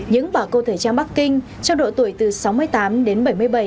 những bà cô thời trang bắc kinh trong độ tuổi từ sáu mươi tám đến bảy mươi bảy